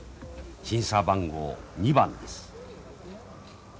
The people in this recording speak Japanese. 審査番号２番です。